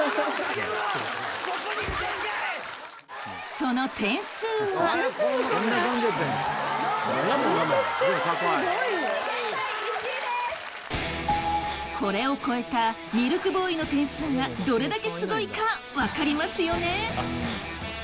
その点数はこれを超えたミルクボーイの点数がどれだけすごいか分かりますよね？